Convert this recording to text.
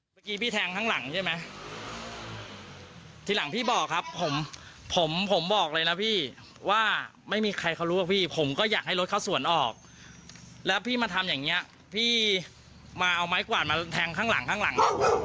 เมื่อกี้พี่แทงข้างหลังใช่ไหมทีหลังพี่บอกครับผมผมบอกเลยนะพี่ว่าไม่มีใครเขารู้ว่าพี่ผมก็อยากให้รถเขาสวนออกแล้วพี่มาทำอย่างเงี้ยพี่มาเอาไม้กวาดมาแทงข้างหลังข้างหลัง